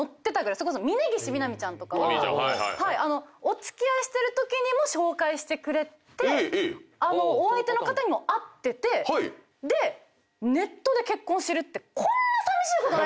それこそ峯岸みなみちゃんとかはお付き合いしてるときにも紹介してくれてお相手の方にも会っててでネットで結婚を知るってこんなさみしいことない。